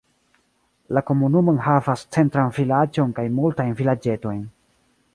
La komunumo enhavas centran vilaĝon kaj multajn vilaĝetojn.